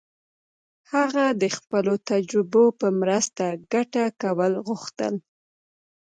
هغه د خپلو تجربو په مرسته ګټه کول غوښتل.